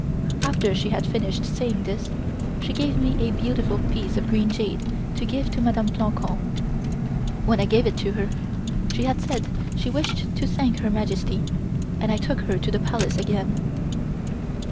After she had finished saying this, she gave me a beautiful piece of green jade to give to Madame Plancon. When I gave it to her, she said she wished to thank Her Majesty, and I took her to the Palace again.